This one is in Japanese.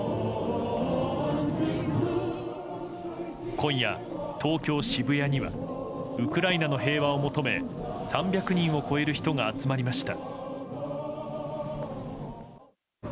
今夜、東京・渋谷にはウクライナの平和を求め３００人を超える人が集まりました。